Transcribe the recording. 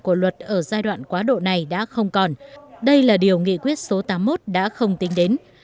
của luật ở giai đoạn quá độ này đã không còn đây là điều nghị quyết số tám mươi một đã không tính đến